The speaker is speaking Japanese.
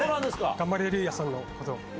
ガンバレルーヤさんのこと。